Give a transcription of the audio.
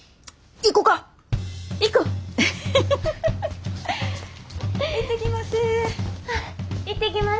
行ってきます！